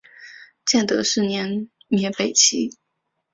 建德四年灭北齐。